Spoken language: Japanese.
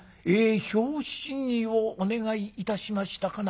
拍子木をお願いいたしましたかな」。